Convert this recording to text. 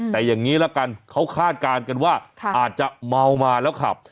แต่อย่างนี้ละกันเขาคาดการณ์กันว่าอาจจะเมามาแล้วขับ